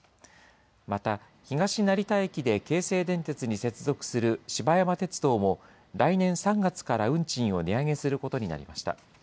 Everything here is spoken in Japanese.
また、東成田駅で京成電鉄に接続する芝山鉄道も、来年３月から運賃を値上げすることになりました。